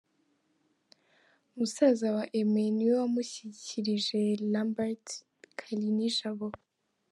Musaza wa Aimée niwe wamushyikirije Lambert Kalinijabo.